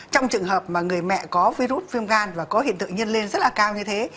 trong trường hợp mà người mẹ có virus viêm gan và có hiện tượng nhân lên rất là cao như thế